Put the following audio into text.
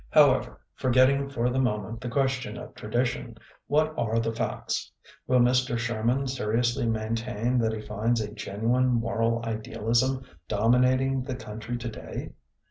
However, forgetting for the mo ment the question of tradition, what are the facts ? Will Mr. Sherman seri ously maintain that he finds a genuine moral idealism dominating the coun try today?